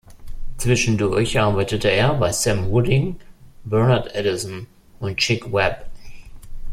Zwischendurch arbeitete er bei Sam Wooding, Bernard Addison und Chick Webb.